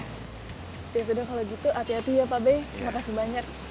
ya sudah kalau gitu hati hati ya pak be makasih banyak